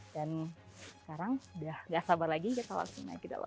dan sekarang sudah tidak sabar lagi kita langsung naik ke dalam